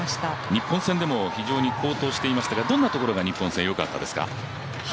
日本戦でも非常に好投していましたがどんなところが日本戦、良かったですか？